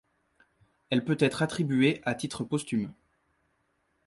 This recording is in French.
Elle peut être attribuée à titre posthume.